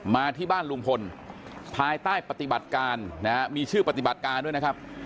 มาที่บ้านลุงพลภายใต้ปฏิบัติการนะฮะมีชื่อปฏิบัติการด้วยนะครับ